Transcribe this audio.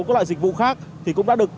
các loại dịch vụ khác thì cũng đã được